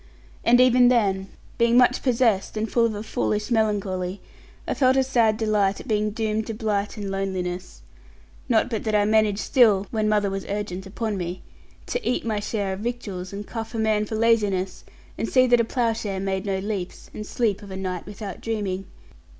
And even then, being much possessed, and full of a foolish melancholy, I felt a sad delight at being doomed to blight and loneliness; not but that I managed still (when mother was urgent upon me) to eat my share of victuals, and cuff a man for laziness, and see that a ploughshare made no leaps, and sleep of a night without dreaming.